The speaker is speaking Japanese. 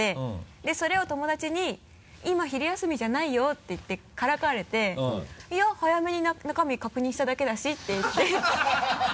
でそれを友達に「今昼休みじゃないよ」って言ってからかわれて「いや早めに中身確認しただけだし」って言って